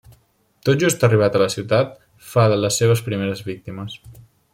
Tot just arribat a la ciutat, fa les seves primeres víctimes.